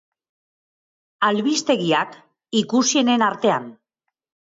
Albistegiak, ikusienen artean.